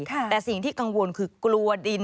แต่สิ่งที่กังวลคือกลัวดิน